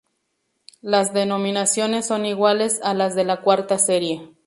Las denominaciones son iguales a las de la cuarta serie.